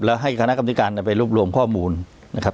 แล้วให้คณะกรรมธิการไปรวบรวมข้อมูลนะครับ